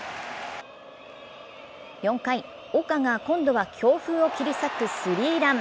４回、岡が今度は強風を切り裂くスリーラン。